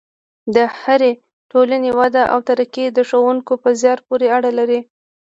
د هرې ټولنې وده او ترقي د ښوونکو په زیار پورې اړه لري.